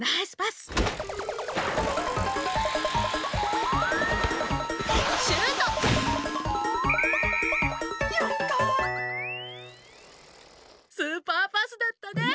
スーパーパスだったね！